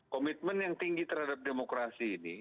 komitmen yang tinggi terhadap demokrasi ini